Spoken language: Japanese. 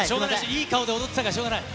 いい顔で踊ってたから、しょうがない。